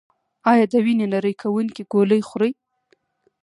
ایا د وینې نری کوونکې ګولۍ خورئ؟